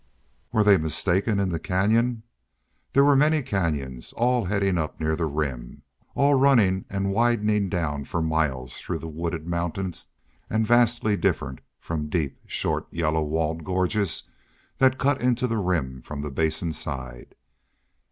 Were they mistaken in the canyon? There were many canyons, all heading up near the Rim, all running and widening down for miles through the wooded mountain, and vastly different from the deep, short, yellow walled gorges that cut into the Rim from the Basin side.